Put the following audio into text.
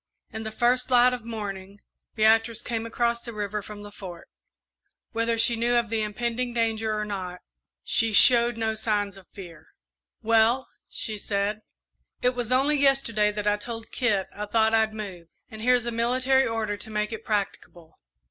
In the first light of morning, Beatrice came across the river from the Fort. Whether she knew of the impending danger or not, she showed no signs of fear. "Well," she said, "it was only yesterday that I told Kit I thought I'd move, and here's a military order to make it practicable.